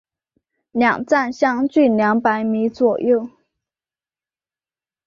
两站相距二百米左右。